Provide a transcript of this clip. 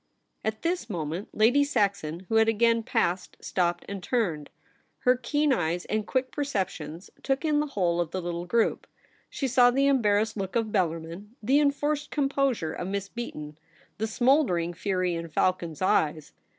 At this moment Lady Saxon, who had again passed, stopped and turned. Her keen eyes and quick perceptions took in the whole of the little group. She saw the em barrassed look of Bellarmin ; the enforced composure of Miss Beaton ; the smouldering fury in Falcon's eyes.